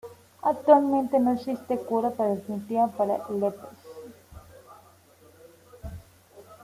Actualmente no existe cura definitiva para el herpes.